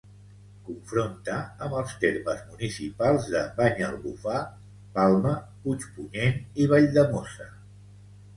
Confronta amb els termes municipals de Banyalbufar, Palma, Puigpunyent i Valldemossa.